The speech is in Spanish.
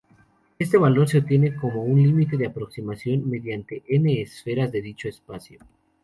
Este valor se obtiene como límite de una aproximación mediante n-esferas de dicho espacio.